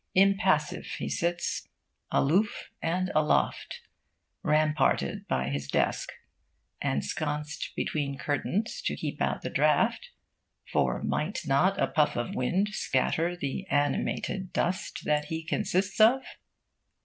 Impassive he sits, aloof and aloft, ramparted by his desk, ensconced between curtains to keep out the draught for might not a puff of wind scatter the animated dust that he consists of?